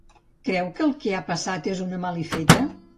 Creu que el que ha passat és una malifeta?